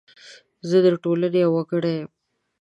زه د ټولنې یو وګړی یم .